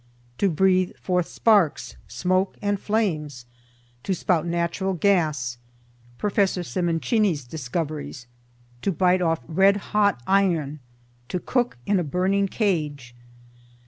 TO BREATHE FORTH SPARKS, SMOKE, AND FLAMES. TO SPOUT NATURAL GAS. PROFESSOR SEMENTINI'S DISCOVERIES. TO BITE OFF RED HOT IRON. TO COOK IN A BURNING CAGE.